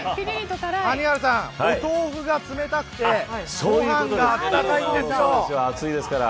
お豆腐が冷たくてご飯が温かいんですよ。